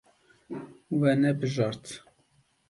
We nebijart.